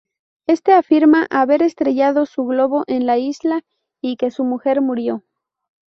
Este afirma haber estrellado su globo en la isla, y que su mujer murió.